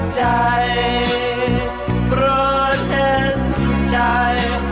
ขอบคุณครับ